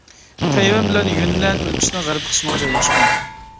تەيۋەن بىلەن يۈننەن ئۆلكىسىنىڭ غەربىي قىسمىغا جايلاشقان.